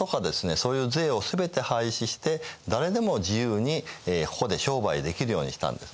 そういう税を全て廃止して誰でも自由にここで商売できるようにしたんですね。